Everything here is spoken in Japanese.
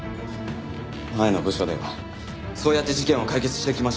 前の部署ではそうやって事件を解決してきました。